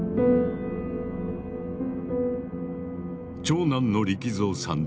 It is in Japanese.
長男の力蔵さん